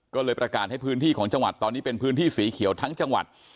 ก็เลยประกาศให้พื้นที่ของจังหวัดตอนนี้เป็นพื้นที่สีเขียวทั้งจังหวัด